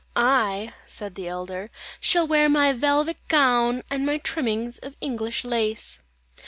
"I," said the elder, "shall wear my velvet gown and my trimmings of English lace."